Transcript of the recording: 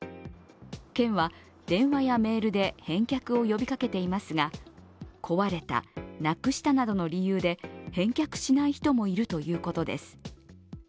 県は電話やメールで返却を呼びかけていますが壊れた、なくしたなどの理由で返却しない人もいるということです。